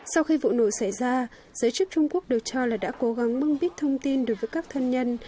sau khi vụ nổ xảy ra giới chức trung quốc được cho là đã cố gắng bưng bít thông tin đối với các thân nhân